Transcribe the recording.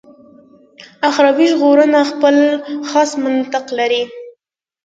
اخروي ژغورنه خپل خاص منطق لري.